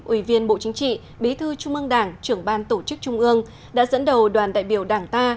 ủy viên bộ chính trị bí thư trung ương đảng trưởng ban tổ chức trung ương đã dẫn đầu đoàn đại biểu đảng ta